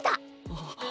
あっ。